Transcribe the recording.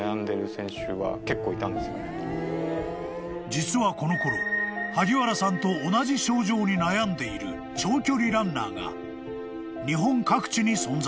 ［実はこの頃萩原さんと同じ症状に悩んでいる長距離ランナーが日本各地に存在］